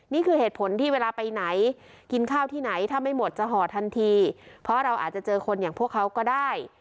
นี่คือเหตุผลที่เวลาไปไหนกินข้าวที่ไหนถ้าไม่หมดจะห่อทันทีเพราะเราอาจจะเจอคนอย่างพวกเขาก็ได้